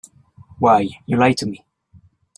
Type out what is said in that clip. Why, you lied to me.